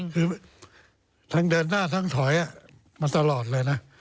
คือทั้งเดินหน้าทั้งถอยมาตลอดเลยนะ